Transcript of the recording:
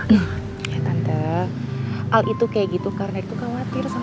ya tante al itu kayak gitu karena itu khawatir sama tante